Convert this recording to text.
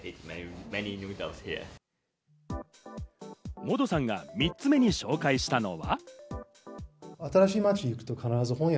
モドさんが３つ目に紹介したのが。